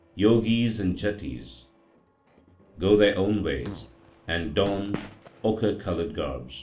Jogis andjatis 1 go their own ways, and don ochre coloured garbs.